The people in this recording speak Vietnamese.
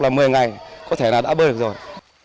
là một mươi ngày có thể là đã bơi được rồi